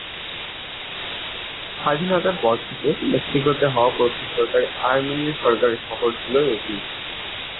স্বাধীনতার পর থেকে মেক্সিকোতে হওয়া প্রথম সরকারি আর্মেনিয় সরকারি সফর ছিল এটি।